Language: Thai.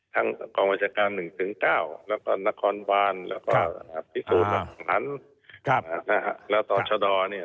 ทั้งกองวจาการ๑๙แล้วก็นครบานแล้วก็พิสูจน์สมันแล้วต่อชด